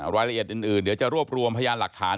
รายละเอียดอื่นเดี๋ยวจะรวบรวมพยานหลักฐาน